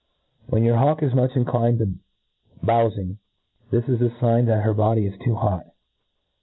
WHEN your hawk is much inclined to bowfmg, this is a fign that her body is too hot.